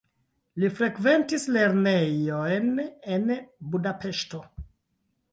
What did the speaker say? Li frekventis lernejojn en Budapeŝto.